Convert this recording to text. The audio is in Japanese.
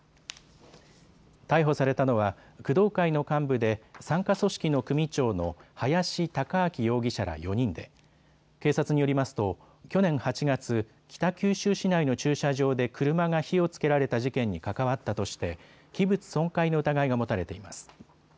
逮捕されたのは工藤会の幹部で傘下組織の組長の林孝章容疑者ら４人で警察によりますと去年８月、北九州市内の駐車場で車が火をつけられた事件に関わったとして器物損壊の疑いが持たれています。